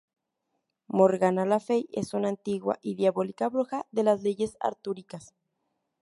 Morgana le Fey es una antigua y diabólica bruja de las leyendas artúricas.